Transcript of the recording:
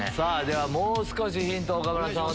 ではもう少しヒント岡村さん